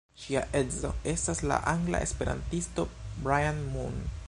Ŝia edzo estas la angla esperantisto Brian Moon.